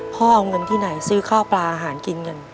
พ่อเอาเงินที่ไหนซื้อข้าวปลาอาหารกินกัน